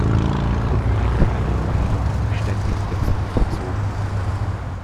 Die Gruppeneinteilung war jedoch einem ständigen Wechsel unterzogen.